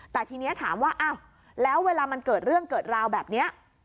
แต่ทีนี้ถามว่าอ้าวแล้วเวลามันเกิดเรื่องเกิดราวแบบนี้